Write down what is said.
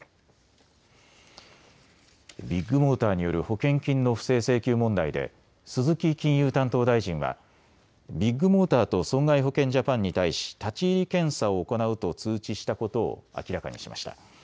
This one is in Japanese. ビッグモーターによる保険金の不正請求問題で鈴木金融担当大臣はビッグモーターと損害保険ジャパンに対し立ち入り検査を行うと通知したことを明らかにしました。